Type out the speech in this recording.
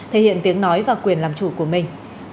thể hiện tiếng nói và quyền làm chủ của mình